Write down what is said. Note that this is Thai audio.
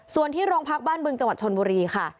ส่วนที่โรงพักบ้านบึงจังหวัดชนบุรีค่ะ